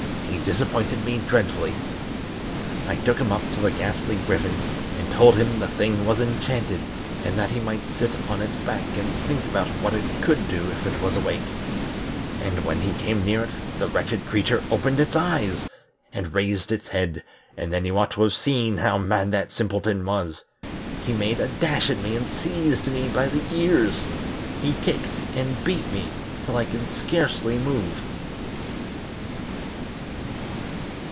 "He disappointed me dreadfully. I took him up to the Ghastly Griffin, and told him the thing was enchanted, and that he might sit on its back and think about what it could do if it was awake; and when he came near it the wretched creature opened its eyes, and raised its head, and then you ought to have seen how mad that simpleton was. He made a dash at me and seized me by the ears; he kicked and beat me till I can scarcely move."